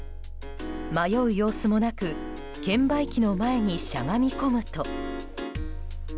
迷う様子もなく券売機の前にしゃがみ込むと。